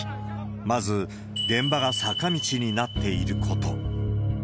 まず、現場が坂道になっていること。